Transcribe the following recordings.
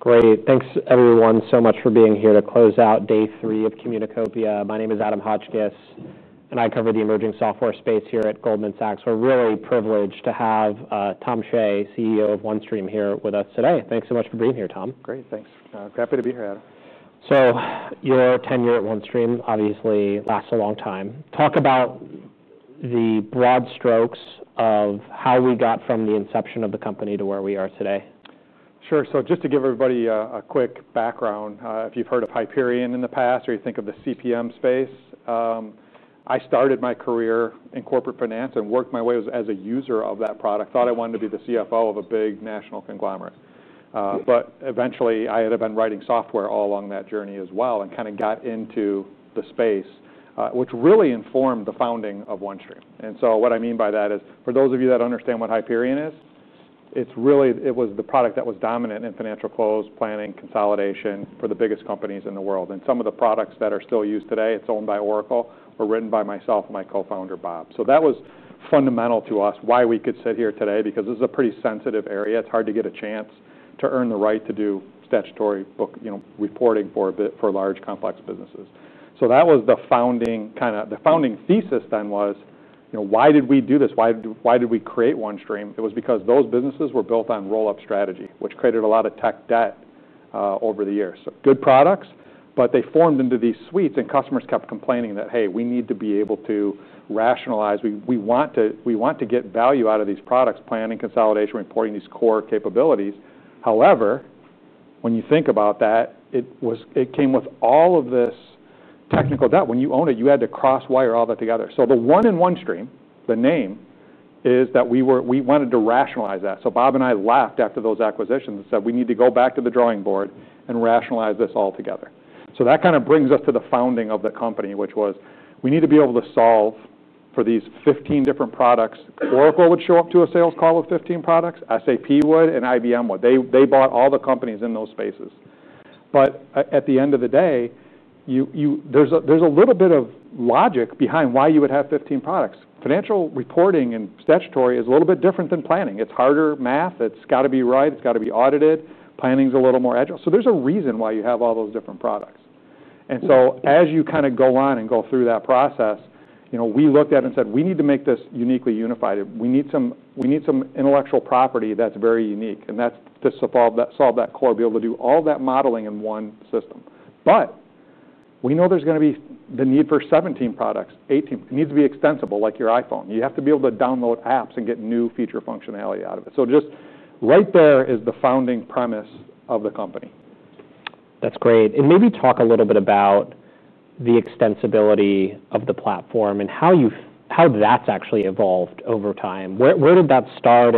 Great. Thanks, everyone, so much for being here to close out day three of Communicopia. My name is Adam Hotchkiss, and I cover the emerging software space here at Goldman Sachs. We're really privileged to have Tom Shea, CEO of OneStream, here with us today. Thanks so much for being here, Tom. Great, thanks. Glad to be here, Adam. Your tenure at OneStream obviously lasts a long time. Talk about the broad strokes of how we got from the inception of the company to where we are today. Sure. Just to give everybody a quick background, if you've heard of Hyperion in the past or you think of the corporate performance management (CPM) space, I started my career in corporate finance and worked my way as a user of that product. I thought I wanted to be the CFO of a big national conglomerate. Eventually, I had been writing software all along that journey as well and kind of got into the space, which really informed the founding of OneStream. What I mean by that is, for those of you that understand what Hyperion is, it was the product that was dominant in financial close, planning, consolidation for the biggest companies in the world. Some of the products that are still used today, it's owned by Oracle, were written by myself and my co-founder, Bob. That was fundamental to us, why we could sit here today, because this is a pretty sensitive area. It's hard to get a chance to earn the right to do statutory book reporting for large complex businesses. The founding thesis then was, why did we do this? Why did we create OneStream? It was because those businesses were built on roll-up strategy, which created a lot of tech debt over the years. Good products, but they formed into these suites, and customers kept complaining that, hey, we need to be able to rationalize. We want to get value out of these products, planning, consolidation, reporting, these core capabilities. However, when you think about that, it came with all of this technical debt. When you own it, you had to cross wire all that together. The one in OneStream, the name, is that we wanted to rationalize that. Bob and I laughed after those acquisitions and said, we need to go back to the drawing board and rationalize this all together. That brings us to the founding of the company, which was, we need to be able to solve for these 15 different products. Oracle would show up to a sales call with 15 products. SAP would and IBM would. They bought all the companies in those spaces. At the end of the day, there's a little bit of logic behind why you would have 15 products. Financial reporting and statutory is a little bit different than planning. It's harder math. It's got to be right. It's got to be audited. Planning is a little more agile. There's a reason why you have all those different products. As you kind of go on and go through that process, we looked at it and said, we need to make this uniquely unified. We need some intellectual property that's very unique. That's to solve that core, be able to do all of that modeling in one system. We know there's going to be the need for 17 products, 18. It needs to be extensible, like your iPhone. You have to be able to download apps and get new feature functionality out of it. Just right there is the founding premise of the company. That's great. Maybe talk a little bit about the extensibility of the platform and how that's actually evolved over time. Where did that start?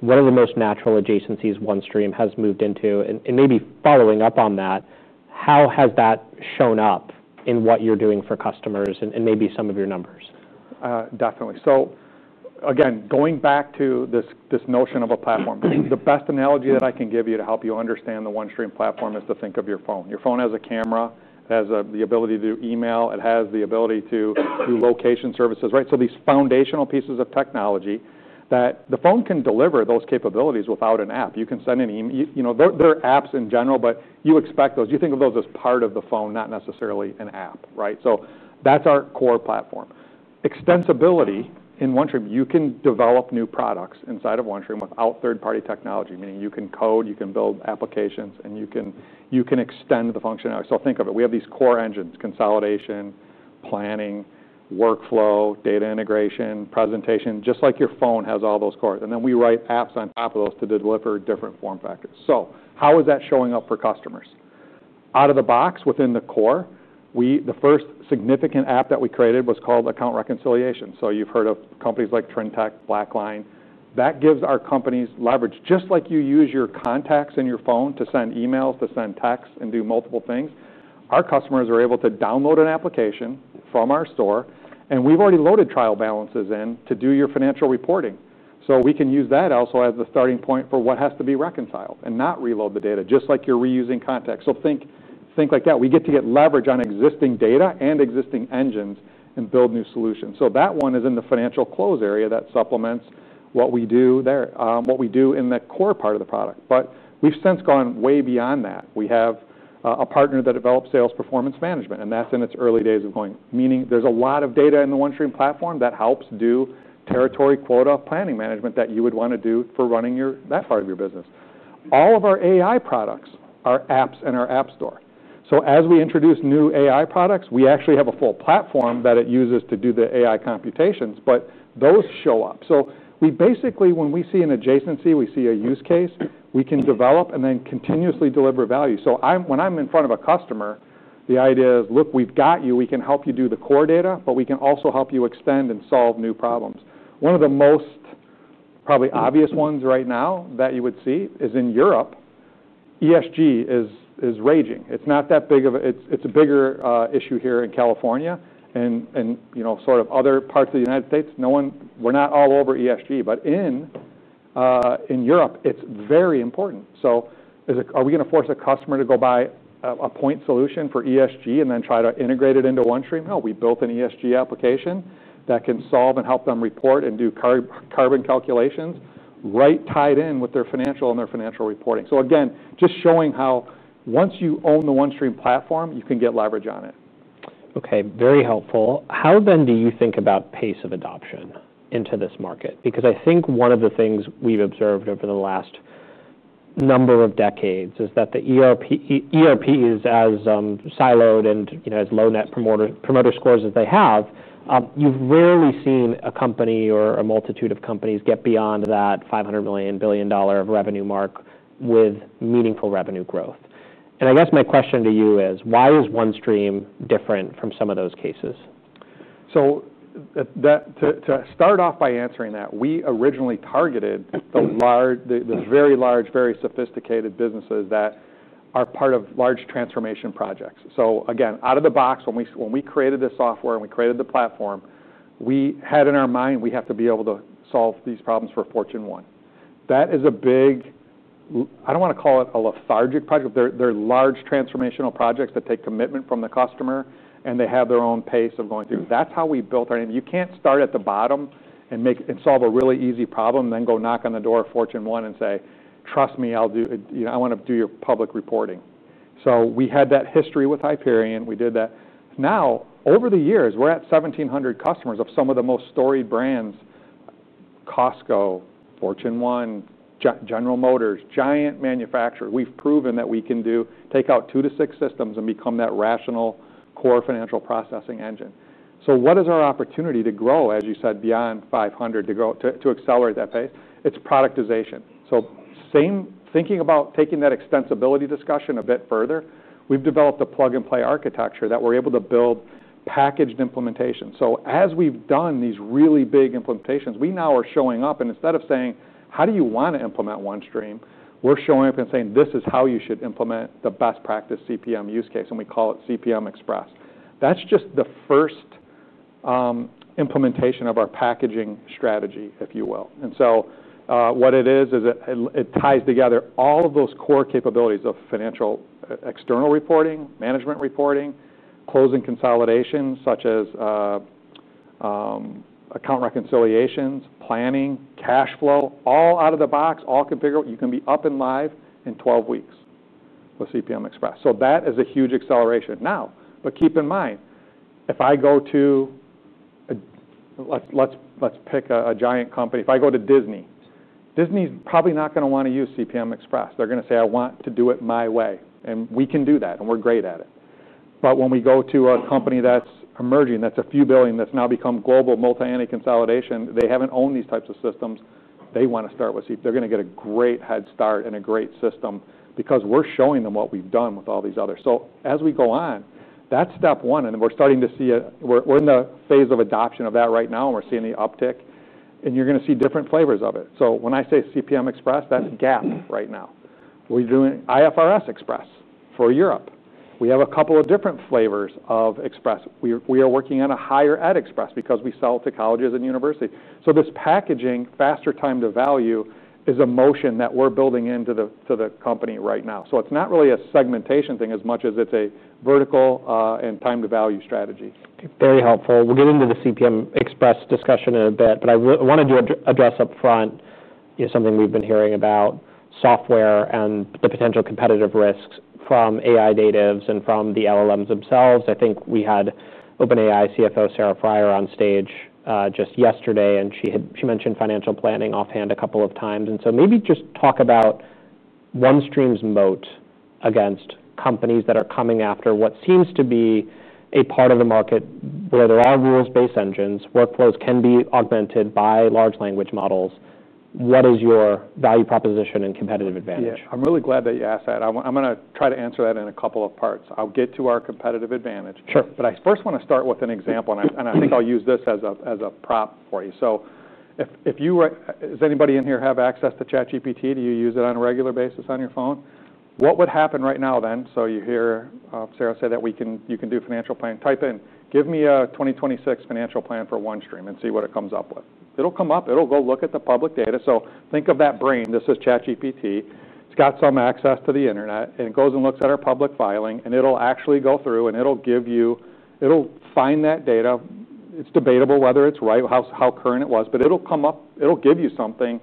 What are the most natural adjacencies OneStream has moved into? Maybe following up on that, how has that shown up in what you're doing for customers and maybe some of your numbers? Definitely. Going back to this notion of a platform, the best analogy that I can give you to help you understand the OneStream platform is to think of your phone. Your phone has a camera. It has the ability to do email. It has the ability to do location services. These are foundational pieces of technology that the phone can deliver those capabilities without an app. You can send an email. There are apps in general, but you expect those. You think of those as part of the phone, not necessarily an app. That's our core platform. Extensibility in OneStream means you can develop new products inside of OneStream without third-party technology, meaning you can code, you can build applications, and you can extend the functionality. Think of it. We have these core engines: consolidation, planning, workflow, data integration, presentation, just like your phone has all those cores. Then we write apps on top of those to deliver different form factors. How is that showing up for customers? Out of the box, within the core, the first significant app that we created was called Account Reconciliation. You've heard of companies like BlackLine. That gives our companies leverage, just like you use your contacts in your phone to send emails, to send texts, and do multiple things. Our customers are able to download an application from our store, and we've already loaded trial balances in to do your financial reporting. We can use that also as the starting point for what has to be reconciled and not reload the data, just like you're reusing contacts. Think like that. We get to get leverage on existing data and existing engines and build new solutions. That one is in the financial close area that supplements what we do there, what we do in the core part of the product. We've since gone way beyond that. We have a partner that develops sales performance management. That's in its early days of going, meaning there's a lot of data in the OneStream platform that helps do territory quota planning management that you would want to do for running that part of your business. All of our AI products are apps in our app store. As we introduce new AI products, we actually have a full platform that it uses to do the AI computations. Those show up. When we see an adjacency, we see a use case, we can develop and then continuously deliver value. When I'm in front of a customer, the idea is, look, we've got you. We can help you do the core data, but we can also help you extend and solve new problems. One of the most probably obvious ones right now that you would see is in Europe, ESG is raging. It's not that big of a, it's a bigger issue here in California and sort of other parts of the United States. We're not all over ESG. In Europe, it's very important. Are we going to force a customer to go buy a point solution for ESG and then try to integrate it into OneStream? No, we built an ESG application that can solve and help them report and do carbon calculations right tied in with their financial and their financial reporting. Again, just showing how once you own the OneStream platform, you can get leverage on it. OK, very helpful. How then do you think about pace of adoption into this market? I think one of the things we've observed over the last number of decades is that the ERP is as siloed and as low net promoter scores as they have. You've rarely seen a company or a multitude of companies get beyond that $500 million, billion of revenue mark with meaningful revenue growth. I guess my question to you is, why is OneStream different from some of those cases? To start off by answering that, we originally targeted the very large, very sophisticated businesses that are part of large transformation projects. Again, out of the box, when we created this software and we created the platform, we had in our mind, we have to be able to solve these problems for Fortune One. That is a big, I don't want to call it a lethargic project, but they're large transformational projects that take commitment from the customer, and they have their own pace of going through. That's how we built our name. You can't start at the bottom and solve a really easy problem, then go knock on the door of Fortune One and say, trust me, I want to do your public reporting. We had that history with Hyperion. We did that. Over the years, we're at 1,700 customers of some of the most storied brands: Costco, Fortune One, General Motors, giant manufacturers. We've proven that we can take out two to six systems and become that rational core financial processing engine. What is our opportunity to grow, as you said, beyond 500 to accelerate that pace? It's productization. Thinking about taking that extensibility discussion a bit further, we've developed a plug-and-play architecture that we're able to build packaged implementations. As we've done these really big implementations, we now are showing up. Instead of saying, how do you want to implement OneStream, we're showing up and saying, this is how you should implement the best practice CPM use case. We call it CPM Express. That's just the first implementation of our packaging strategy, if you will. What it is, is it ties together all of those core capabilities of financial external reporting, management reporting, closing consolidation, such as account reconciliations, planning, cash flow, all out of the box, all configured. You can be up and live in 12 weeks with CPM Express. That is a huge acceleration. Keep in mind, if I go to, let's pick a giant company, if I go to Disney, Disney's probably not going to want to use CPM Express. They're going to say, I want to do it my way. We can do that, and we're great at it. When we go to a company that's emerging, that's a few billion, that's now become global multi-entity consolidation, they haven't owned these types of systems. They want to start with CPM. They're going to get a great head start and a great system because we're showing them what we've done with all these others. As we go on, that's step one. We're starting to see it. We're in the phase of adoption of that right now, and we're seeing the uptick. You're going to see different flavors of it. When I say CPM Express, that's GAAP right now. We're doing IFRS Express for Europe. We have a couple of different flavors of Express. We are working on a higher ed express because we sell to colleges and universities. This packaging, faster time to value, is a motion that we're building into the company right now. It's not really a segmentation thing as much as it's a vertical and time to value strategy. Very helpful. We'll get into the CPM Express discussion in a bit. I wanted to address up front something we've been hearing about, software and the potential competitive risks from AI natives and from the LLMs themselves. I think we had OpenAI CFO Sarah Friar on stage just yesterday, and she mentioned financial planning offhand a couple of times. Maybe just talk about OneStream's moat against companies that are coming after what seems to be a part of the market where there are rules-based engines. Workflows can be augmented by large language models. What is your value proposition and competitive advantage? I'm really glad that you asked that. I'm going to try to answer that in a couple of parts. I'll get to our competitive advantage. Sure. I first want to start with an example, and I think I'll use this as a prop for you. If you, does anybody in here have access to ChatGPT? Do you use it on a regular basis on your phone? What would happen right now then? You hear Sarah say that you can do financial planning. Type in, give me a 2026 financial plan for OneStream and see what it comes up with. It'll come up. It'll go look at the public data. Think of that brain. This is ChatGPT. It's got some access to the internet, and it goes and looks at our public filing, and it'll actually go through, and it'll give you, it'll find that data. It's debatable whether it's right, how current it was, but it'll come up. It'll give you something,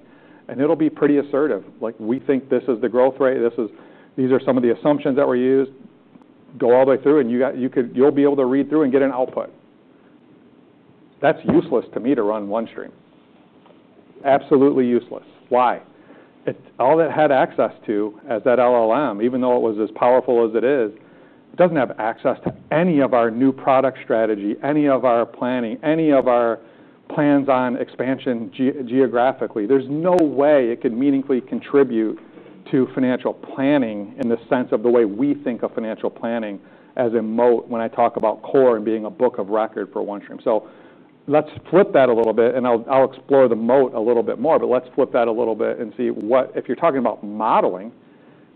and it'll be pretty assertive. Like, we think this is the growth rate. These are some of the assumptions that were used. Go all the way through, and you'll be able to read through and get an output. That's useless to me to run OneStream. Absolutely useless. Why? All that had access to at that LLM, even though it was as powerful as it is, doesn't have access to any of our new product strategy, any of our planning, any of our plans on expansion geographically. There's no way it could meaningfully contribute to financial planning in the sense of the way we think of financial planning as a moat when I talk about core and being a book of record for OneStream. Let's flip that a little bit, and I'll explore the moat a little bit more. Let's flip that a little bit and see what, if you're talking about modeling,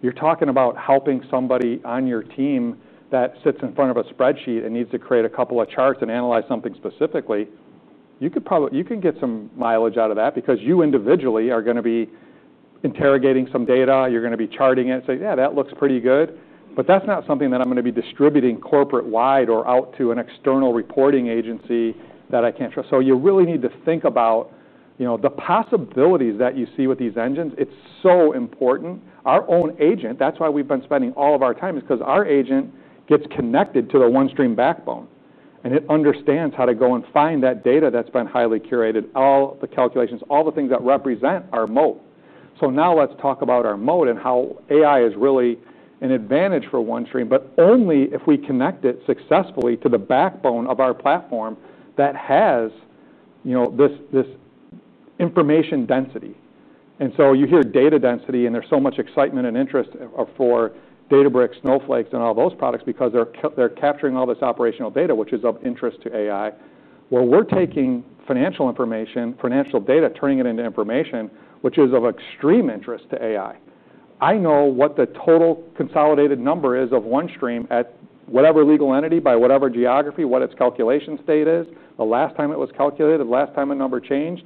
you're talking about helping somebody on your team that sits in front of a spreadsheet and needs to create a couple of charts and analyze something specifically. You can get some mileage out of that because you individually are going to be interrogating some data. You're going to be charting it and say, yeah, that looks pretty good. That's not something that I'm going to be distributing corporate-wide or out to an external reporting agency that I can't trust. You really need to think about the possibilities that you see with these engines. It's so important. Our own agent, that's why we've been spending all of our time, is because our agent gets connected to the OneStream backbone. It understands how to go and find that data that's been highly curated, all the calculations, all the things that represent our moat. Let's talk about our moat and how AI is really an advantage for OneStream, but only if we connect it successfully to the backbone of our platform that has this information density. You hear data density, and there's so much excitement and interest for Databricks, Snowflake, and all those products because they're capturing all this operational data, which is of interest to AI, where we're taking financial information, financial data, turning it into information, which is of extreme interest to AI. I know what the total consolidated number is of OneStream at whatever legal entity, by whatever geography, what its calculation state is, the last time it was calculated, the last time a number changed.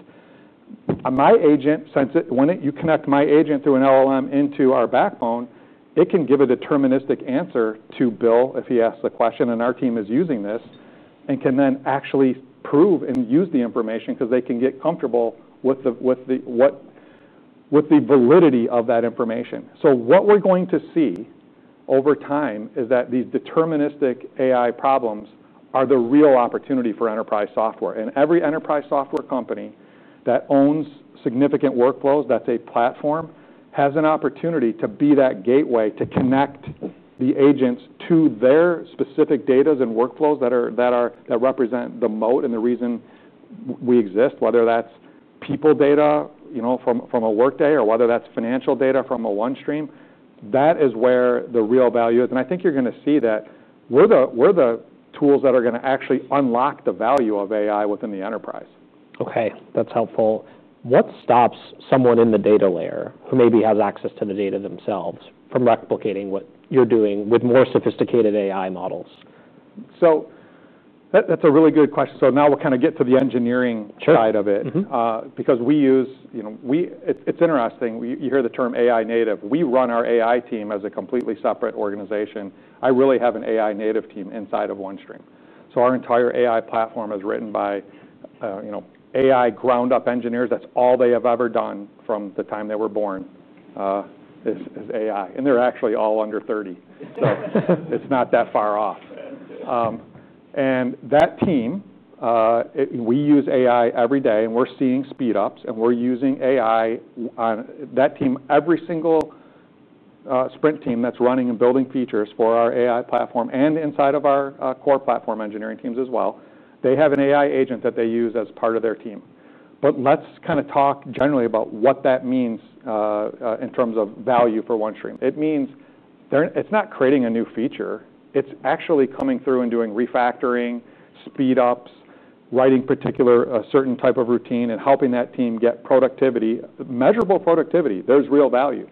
My agent, when you connect my agent through an LLM into our backbone, it can give a deterministic answer to Bill if he asks a question, and our team is using this, and can then actually prove and use the information because they can get comfortable with the validity of that information. What we're going to see over time is that these deterministic AI problems are the real opportunity for enterprise software. Every enterprise software company that owns significant workflows that's a platform has an opportunity to be that gateway to connect the agents to their specific data and workflows that represent the moat and the reason we exist, whether that's people data from a Workday or whether that's financial data from a OneStream. That is where the real value is. I think you're going to see that we're the tools that are going to actually unlock the value of AI within the enterprise. OK, that's helpful. What stops someone in the data layer who maybe has access to the data themselves from replicating what you're doing with more sophisticated AI models? That's a really good question. Now we'll kind of get to the engineering side of it because we use, it's interesting. You hear the term AI native. We run our AI team as a completely separate organization. I really have an AI native team inside of OneStream. Our entire AI platform is written by AI ground-up engineers. That's all they have ever done from the time they were born is AI. They're actually all under 30, so it's not that far off. That team, we use AI every day, and we're seeing speed-ups, and we're using AI on that team, every single sprint team that's running and building features for our AI platform and inside of our core platform engineering teams as well. They have an AI agent that they use as part of their team. Let's kind of talk generally about what that means in terms of value for OneStream. It means it's not creating a new feature. It's actually coming through and doing refactoring, speed-ups, writing a certain type of routine, and helping that team get productivity, measurable productivity. There's real value.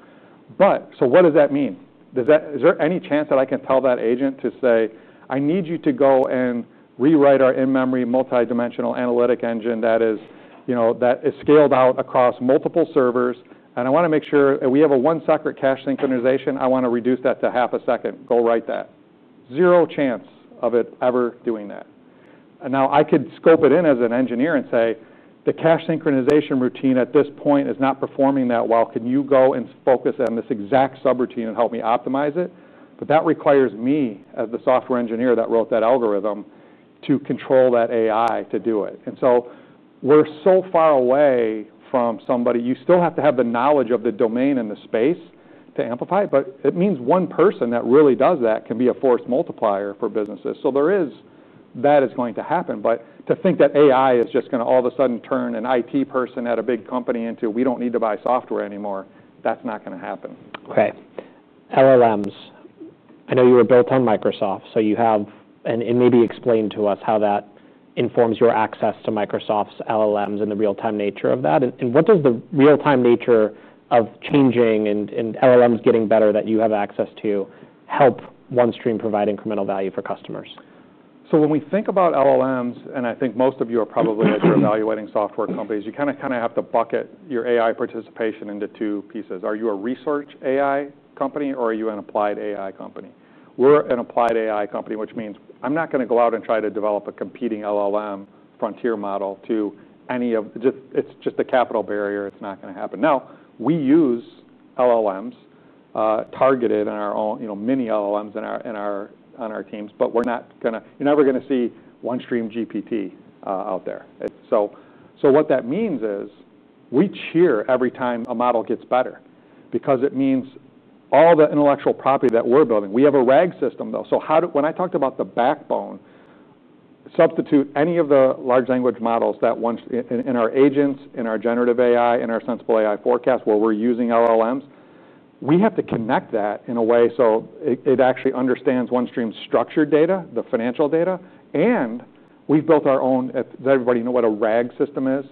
What does that mean? Is there any chance that I can tell that agent to say, I need you to go and rewrite our in-memory multidimensional analytic engine that is scaled out across multiple servers, and I want to make sure we have a one-second cache synchronization? I want to reduce that to half a second. Go write that. Zero chance of it ever doing that. Now I could scope it in as an engineer and say, the cache synchronization routine at this point is not performing that well. Can you go and focus on this exact subroutine and help me optimize it? That requires me, the software engineer that wrote that algorithm, to control that AI to do it. We're so far away from somebody. You still have to have the knowledge of the domain and the space to amplify it. It means one person that really does that can be a force multiplier for businesses. That is going to happen. To think that AI is just going to all of a sudden turn an IT person at a big company into, we don't need to buy software anymore, that's not going to happen. Right. LLMs. I know you were built on Microsoft. You have, and maybe explain to us how that informs your access to Microsoft's LLMs and the real-time nature of that. What does the real-time nature of changing and LLMs getting better that you have access to help OneStream provide incremental value for customers? When we think about LLMs, and I think most of you are probably, as you're evaluating software companies, you kind of have to bucket your AI participation into two pieces. Are you a research AI company, or are you an applied AI company? We're an applied AI company, which means I'm not going to go out and try to develop a competing LLM frontier model to any of, it's just a capital barrier. It's not going to happen. We use LLMs targeted in our own mini LLMs on our teams, but you're never going to see OneStream GPT out there. What that means is we cheer every time a model gets better because it means all the intellectual property that we're building. We have a RAG system, though. When I talked about the backbone, substitute any of the large language models that once in our agents, in our generative AI, in our SensibleAI Forecast where we're using LLMs, we have to connect that in a way so it actually understands OneStream's structured data, the financial data. We've built our own, does everybody know what a RAG system is?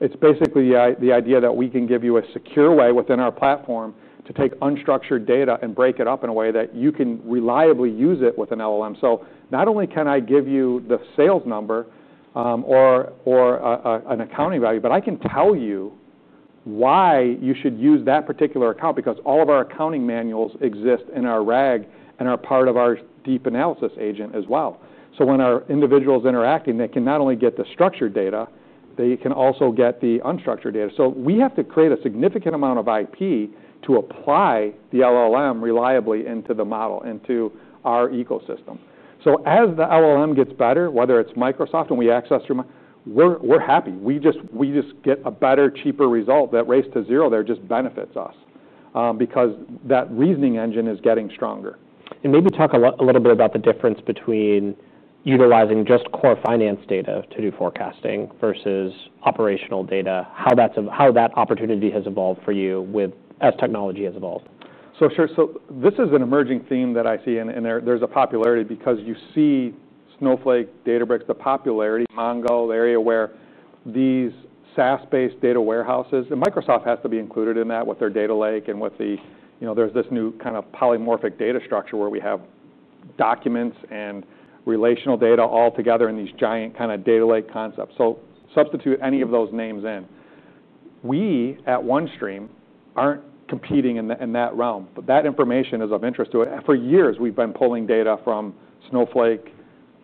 It's basically the idea that we can give you a secure way within our platform to take unstructured data and break it up in a way that you can reliably use it with an LLM. Not only can I give you the sales number or an accounting value, but I can tell you why you should use that particular account because all of our accounting manuals exist in our RAG and are part of our deep analysis agent as well. When our individual is interacting, they can not only get the structured data, they can also get the unstructured data. We have to create a significant amount of IP to apply the LLM reliably into the model, into our ecosystem. As the LLM gets better, whether it's Microsoft and we access through, we're happy. We just get a better, cheaper result that race to zero. That just benefits us because that reasoning engine is getting stronger. Could you talk a little bit about the difference between utilizing just core finance data to do forecasting versus operational data, how that opportunity has evolved for you as technology has evolved? This is an emerging theme that I see, and there's a popularity because you see Snowflake, Databricks, the popularity, Mongo, the area where these SaaS-based data warehouses, and Microsoft has to be included in that with their data lake. There's this new kind of polymorphic data structure where we have documents and relational data all together in these giant kind of data lake concepts. Substitute any of those names in. We, at OneStream, aren't competing in that realm. That information is of interest to it. For years, we've been pulling data from Snowflake,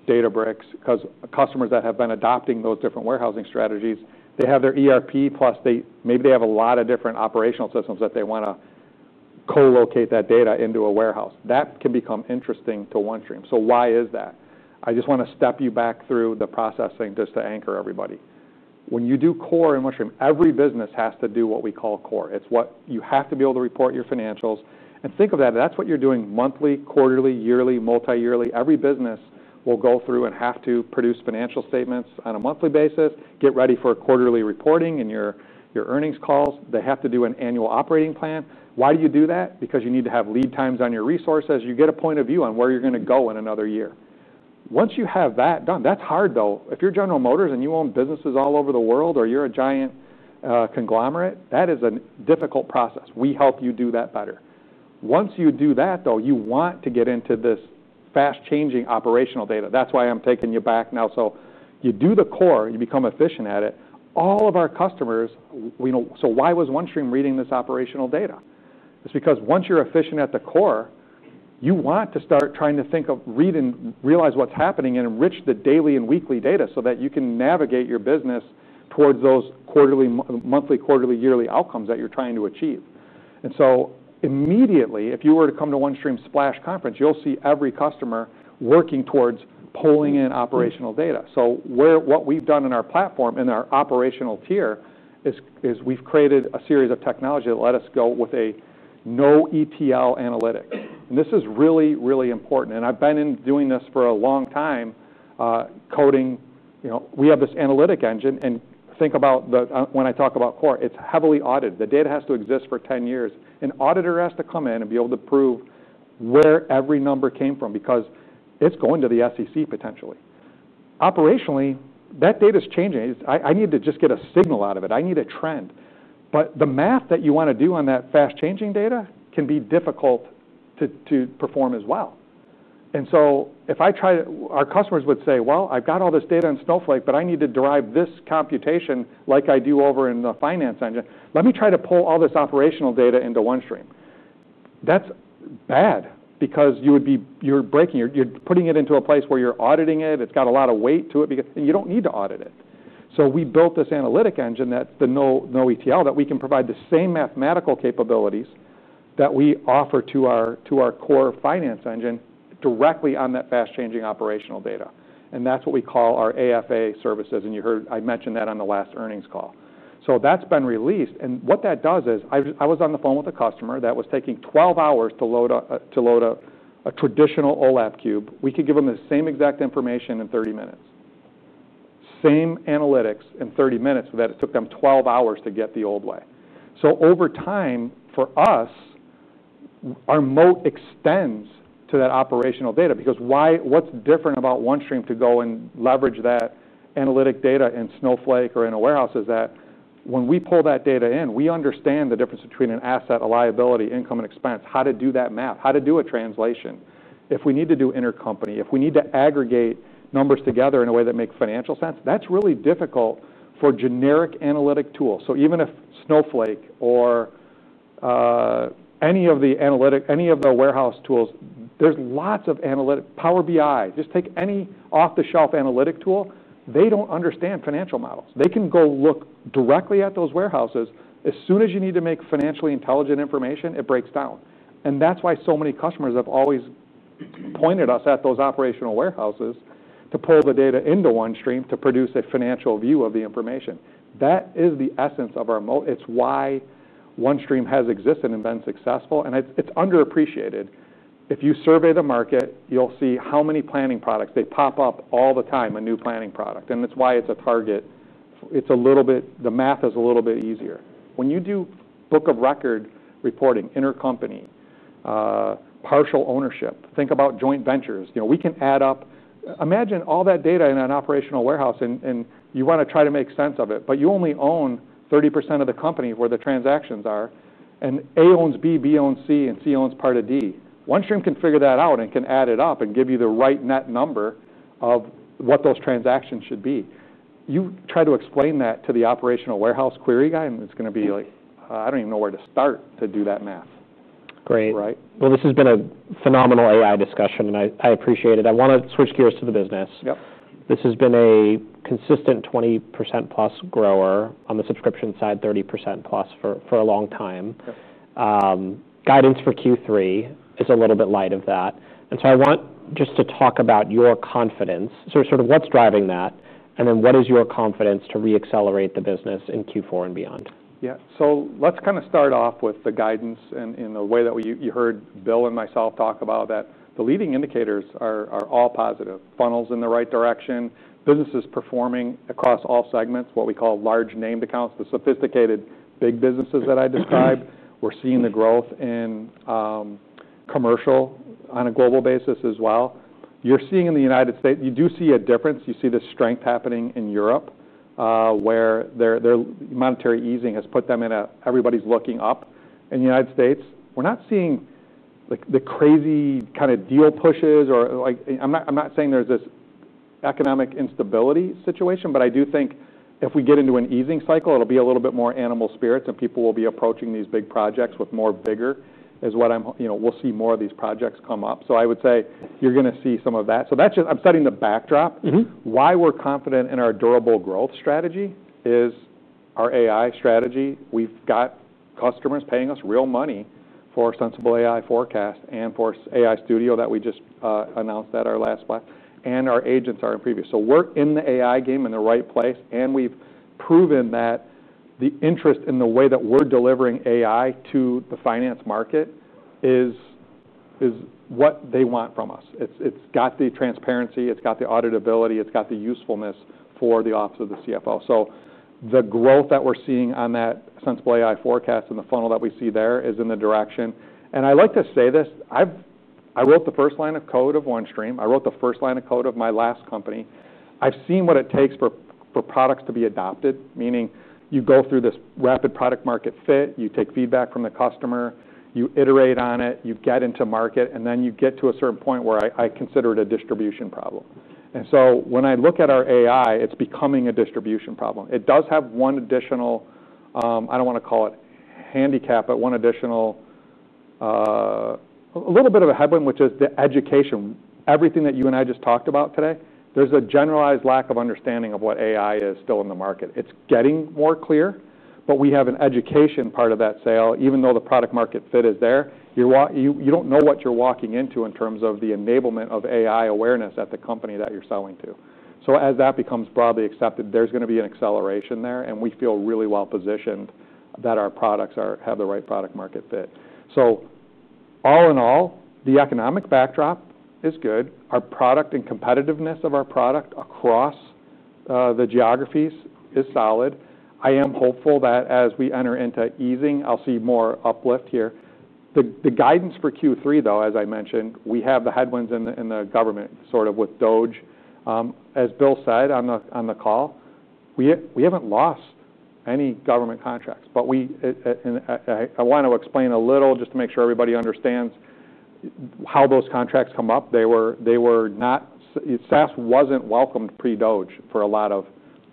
Databricks, because customers that have been adopting those different warehousing strategies, they have their ERP, plus maybe they have a lot of different operational systems that they want to co-locate that data into a warehouse. That can become interesting to OneStream. Why is that? I just want to step you back through the processing just to anchor everybody. When you do core in OneStream, every business has to do what we call core. It's what you have to be able to report your financials. Think of that. That's what you're doing monthly, quarterly, yearly, multiyearly. Every business will go through and have to produce financial statements on a monthly basis, get ready for quarterly reporting in your earnings calls. They have to do an annual operating plan. Why do you do that? You need to have lead times on your resources. You get a point of view on where you're going to go in another year. Once you have that done, that's hard, though. If you're General Motors and you own businesses all over the world, or you're a giant conglomerate, that is a difficult process. We help you do that better. Once you do that, you want to get into this fast-changing operational data. That's why I'm taking you back now. You do the core. You become efficient at it. All of our customers, so why was OneStream reading this operational data? It's because once you're efficient at the core, you want to start trying to think of reading, realize what's happening, and enrich the daily and weekly data so that you can navigate your business towards those monthly, quarterly, yearly outcomes that you're trying to achieve. Immediately, if you were to come to OneStream's Splash conference, you'll see every customer working towards pulling in operational data. What we've done in our platform and our operational tier is we've created a series of technologies that let us go with a no-ETL analytic. This is really, really important. I've been doing this for a long time, coding. We have this analytic engine. Think about when I talk about core, it's heavily audited. The data has to exist for 10 years. An auditor has to come in and be able to prove where every number came from because it's going to the SEC, potentially. Operationally, that data is changing. I need to just get a signal out of it. I need a trend. The math that you want to do on that fast-changing data can be difficult to perform as well. If I try to, our customers would say, I've got all this data in Snowflake, but I need to derive this computation like I do over in the finance engine. Let me try to pull all this operational data into OneStream. That's bad because you're breaking, you're putting it into a place where you're auditing it. It's got a lot of weight to it, and you don't need to audit it. We built this analytic engine, the no-ETL, that we can provide the same mathematical capabilities that we offer to our core finance engine directly on that fast-changing operational data. That's what we call our AFA services. You heard I mentioned that on the last earnings call. That's been released. What that does is I was on the phone with a customer that was taking 12 hours to load a traditional OLAP cube. We could give them the same exact information in 30 minutes, same analytics in 30 minutes that it took them 12 hours to get the old way. Over time, for us, our moat extends to that operational data. What's different about OneStream to go and leverage that analytic data in Snowflake or in a warehouse is that when we pull that data in, we understand the difference between an asset, a liability, income, and expense, how to do that math, how to do a translation. If we need to do intercompany, if we need to aggregate numbers together in a way that makes financial sense, that's really difficult for generic analytic tools. Even if Snowflake or any of the warehouse tools, there's lots of analytics, Power BI, just take any off-the-shelf analytic tool, they don't understand financial models. They can go look directly at those warehouses. As soon as you need to make financially intelligent information, it breaks down. That is why so many customers have always pointed us at those operational warehouses to pull the data into OneStream to produce a financial view of the information. That is the essence of our moat. It is why OneStream has existed and been successful. It is underappreciated. If you survey the market, you will see how many planning products pop up all the time, a new planning product. It is why it is a target. The math is a little bit easier. When you do book of record reporting, intercompany, partial ownership, think about joint ventures. We can add up, imagine all that data in an operational warehouse, and you want to try to make sense of it. You only own 30% of the company where the transactions are, and A owns B, B owns C, and C owns part of D. OneStream can figure that out and can add it up and give you the right net number of what those transactions should be. You try to explain that to the operational warehouse query guy, and it is going to be like, I do not even know where to start to do that math. Great. Right? This has been a phenomenal AI discussion, and I appreciate it. I want to switch gears to the business. Yep. This has been a consistent 20%+ grower on the subscription side, 30%+ for a long time. Guidance for Q3 is a little bit light of that. I want to talk about your confidence, what's driving that, and what is your confidence to re-accelerate the business in Q4 and beyond? Yeah. Let's kind of start off with the guidance in the way that you heard Bill and myself talk about that. The leading indicators are all positive. Funnel's in the right direction, business is performing across all segments, what we call large named accounts, the sophisticated big businesses that I described. We're seeing the growth in commercial on a global basis as well. You're seeing in the United States, you do see a difference. You see the strength happening in Europe, where their monetary easing has put them in a, everybody's looking up. In the United States, we're not seeing the crazy kind of deal pushes. I'm not saying there's this economic instability situation, but I do think if we get into an easing cycle, it'll be a little bit more animal spirits, and people will be approaching these big projects with more vigor, is what I'm, we'll see more of these projects come up. I would say you're going to see some of that. That's just, I'm studying the backdrop. Why we're confident in our durable growth strategy is our AI strategy. We've got customers paying us real money for our SensibleAI Forecast and for AI Studio that we just announced at our last Splash. Our agents are in preview. We're in the AI game in the right place. We've proven that the interest in the way that we're delivering AI to the finance market is what they want from us. It's got the transparency. It's got the auditability. It's got the usefulness for the office of the CFO. The growth that we're seeing on that SensibleAI Forecast and the funnel that we see there is in the direction. I like to say this. I wrote the first line of code of OneStream. I wrote the first line of code of my last company. I've seen what it takes for products to be adopted, meaning you go through this rapid product-market fit. You take feedback from the customer. You iterate on it. You get into market. Then you get to a certain point where I consider it a distribution problem. When I look at our AI, it's becoming a distribution problem. It does have one additional, I don't want to call it handicap, but one additional, a little bit of a headwind, which is the education. Everything that you and I just talked about today, there's a generalized lack of understanding of what AI is still in the market. It's getting more clear, but we have an education part of that sale. Even though the product-market fit is there, you don't know what you're walking into in terms of the enablement of AI awareness at the company that you're selling to. As that becomes broadly accepted, there's going to be an acceleration there. We feel really well positioned that our products have the right product-market fit. All in all, the economic backdrop is good. Our product and competitiveness of our product across the geographies is solid. I am hopeful that as we enter into easing, I'll see more uplift here. The guidance for Q3, though, as I mentioned, we have the headwinds in the government, sort of with FedRAMP High. As Bill said on the call, we haven't lost any government contracts. I want to explain a little just to make sure everybody understands how those contracts come up. SaaS wasn't welcomed pre-FedRAMP High for a lot of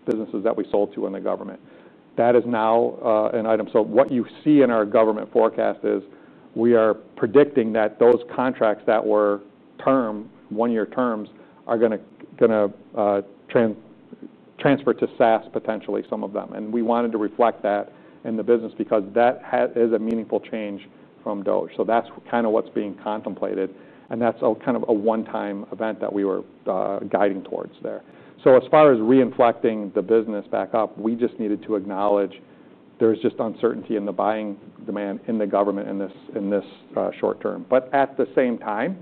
businesses that we sold to in the government. That is now an item. What you see in our government forecast is we are predicting that those contracts that were term, one-year terms, are going to transfer to SaaS, potentially, some of them. We wanted to reflect that in the business because that is a meaningful change from FedRAMP High. That's kind of what's being contemplated. That's kind of a one-time event that we were guiding towards there. As far as re-inflicting the business back up, we just needed to acknowledge there's just uncertainty in the buying demand in the government in this short term. At the same time,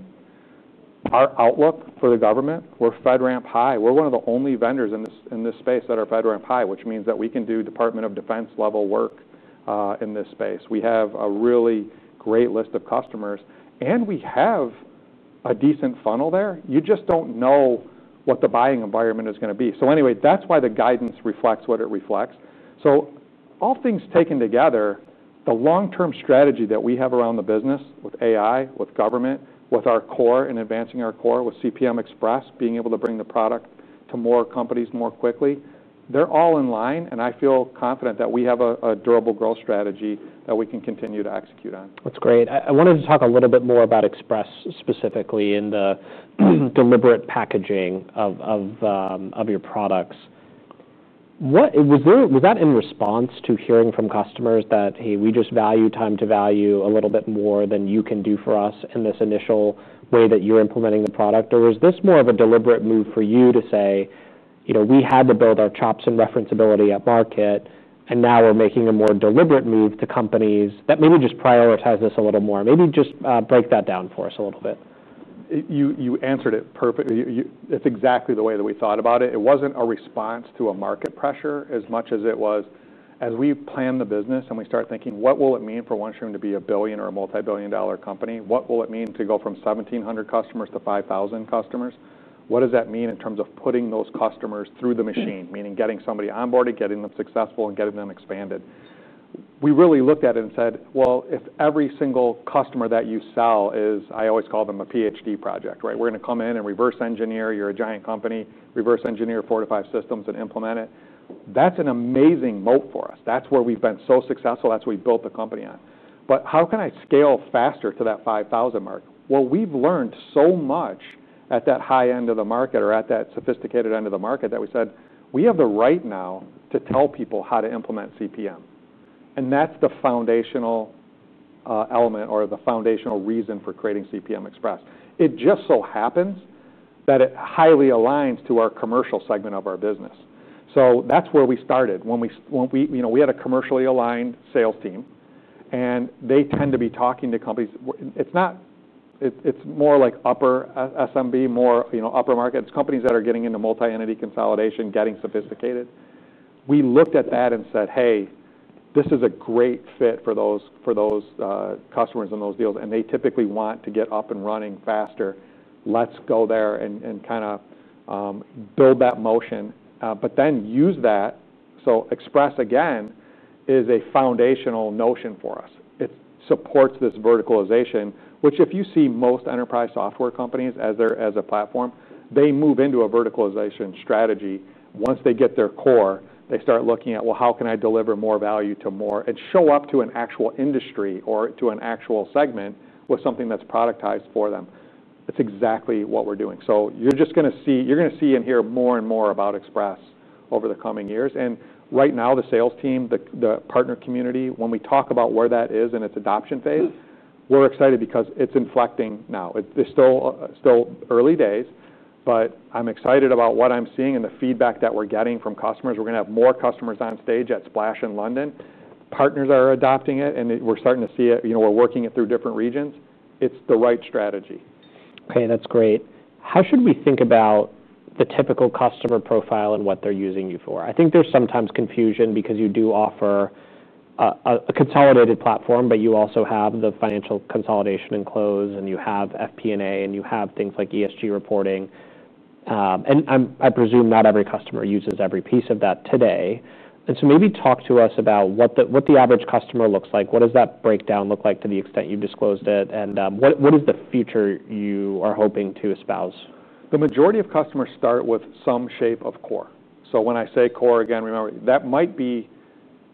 our outlook for the government, we're FedRAMP High. We're one of the only vendors in this space that are FedRAMP High, which means that we can do Department of Defense level work in this space. We have a really great list of customers. We have a decent funnel there. You just don't know what the buying environment is going to be. That's why the guidance reflects what it reflects. All things taken together, the long-term strategy that we have around the business with AI, with government, with our core and advancing our core with CPM Express, being able to bring the product to more companies more quickly, they're all in line. I feel confident that we have a durable growth strategy that we can continue to execute on. That's great. I wanted to talk a little bit more about Express specifically and the deliberate packaging of your products. Was that in response to hearing from customers that, hey, we just value time to value a little bit more than you can do for us in this initial way that you're implementing the product? Was this more of a deliberate move for you to say, you know, we had to build our chops and referenceability at market, and now we're making a more deliberate move to companies that maybe just prioritize this a little more? Maybe just break that down for us a little bit. You answered it perfectly. That's exactly the way that we thought about it. It wasn't a response to a market pressure as much as it was, as we plan the business and we start thinking, what will it mean for OneStream to be a billion or a multi-billion dollar company? What will it mean to go from 1,700 customers to 5,000 customers? What does that mean in terms of putting those customers through the machine, meaning getting somebody onboarded, getting them successful, and getting them expanded? We really looked at it and said, if every single customer that you sell is, I always call them a PhD project, right? We're going to come in and reverse engineer your giant company, reverse engineer four to five systems, and implement it. That's an amazing moat for us. That's where we've been so successful. That's what we built the company on. How can I scale faster to that 5,000 mark? We've learned so much at that high end of the market or at that sophisticated end of the market that we said, we have the right now to tell people how to implement corporate performance management. That's the foundational element or the foundational reason for creating CPM Express. It just so happens that it highly aligns to our commercial segment of our business. That's where we started. We had a commercially aligned sales team. They tend to be talking to companies. It's more like upper SMB, more upper market. It's companies that are getting into multi-entity consolidation, getting sophisticated. We looked at that and said, hey, this is a great fit for those customers and those deals. They typically want to get up and running faster. Let's go there and kind of build that motion. Then use that. Express, again, is a foundational notion for us. It supports this verticalization, which if you see most enterprise software companies as a platform, they move into a verticalization strategy. Once they get their core, they start looking at, how can I deliver more value to more and show up to an actual industry or to an actual segment with something that's productized for them? That's exactly what we're doing. You're just going to see, you're going to see and hear more and more about Express over the coming years. Right now, the sales team, the partner community, when we talk about where that is in its adoption phase, we're excited because it's inflecting now. It's still early days. I'm excited about what I'm seeing and the feedback that we're getting from customers. We're going to have more customers on stage at Splash in London. Partners are adopting it, and we're starting to see it. We're working it through different regions. It's the right strategy. Hey, that's great. How should we think about the typical customer profile and what they're using you for? I think there's sometimes confusion because you do offer a consolidated platform, but you also have the financial consolidation and close, you have FP&A, and you have things like ESG reporting. I presume not every customer uses every piece of that today. Maybe talk to us about what the average customer looks like. What does that breakdown look like to the extent you disclosed it? What is the future you are hoping to espouse? The majority of customers start with some shape of core. When I say core again, remember, that might be,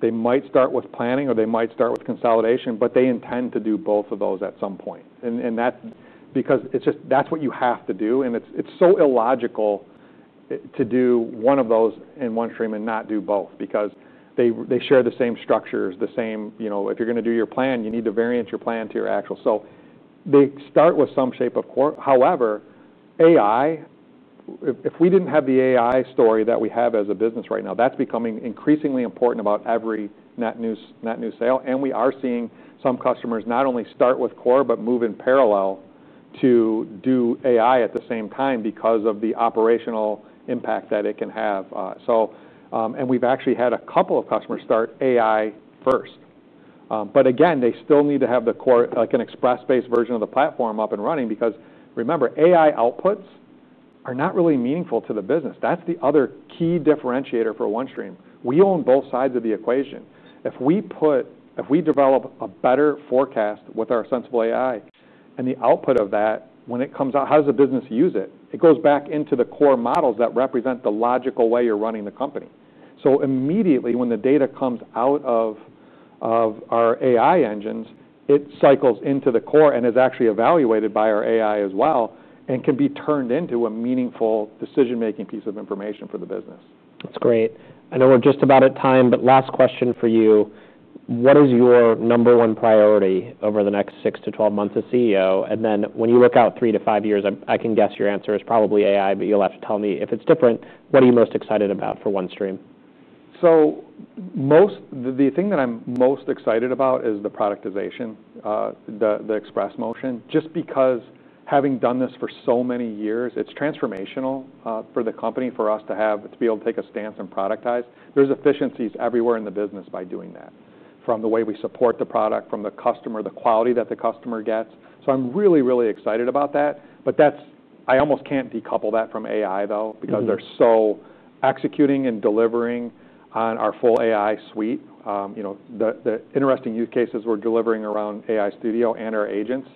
they might start with planning, or they might start with consolidation, but they intend to do both of those at some point. That's because it's just, that's what you have to do. It's so illogical to do one of those in OneStream and not do both because they share the same structures. If you're going to do your plan, you need to variance your plan to your actual. They start with some shape of core. However, if we didn't have the AI story that we have as a business right now, that's becoming increasingly important about every net new sale. We are seeing some customers not only start with core, but move in parallel to do AI at the same time because of the operational impact that it can have. We've actually had a couple of customers start AI first. Again, they still need to have the core, like an Express-based version of the platform up and running because remember, AI outputs are not really meaningful to the business. That's the other key differentiator for OneStream. We own both sides of the equation. If we develop a better forecast with our SensibleAI Forecast, and the output of that, when it comes out, how does the business use it? It goes back into the core models that represent the logical way you're running the company. Immediately, when the data comes out of our AI engines, it cycles into the core and is actually evaluated by our AI as well and can be turned into a meaningful decision-making piece of information for the business. That's great. I know we're just about at time, but last question for you. What is your number one priority over the next 6 to 12 months as CEO? When you look out three to five years, I can guess your answer is probably AI, but you'll have to tell me if it's different. What are you most excited about for OneStream? The thing that I'm most excited about is the productization, the Express motion, just because having done this for so many years, it's transformational for the company, for us to be able to take a stance and productize. There are efficiencies everywhere in the business by doing that, from the way we support the product, from the customer, the quality that the customer gets. I'm really, really excited about that. I almost can't decouple that from AI, though, because they're so executing and delivering on our full AI suite. The interesting use cases we're delivering around AI Studio and our agents.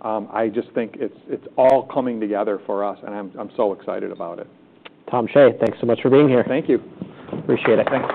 I just think it's all coming together for us, and I'm so excited about it. Tom Shea, thanks so much for being here. Thank you. Appreciate it. Thanks.